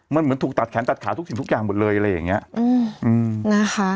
มันเหมือนถูกตัดแขนตัดขาทุกสิ่งทุกอย่างหมดเลยอะไรอย่างเงี้ยอืมนะคะ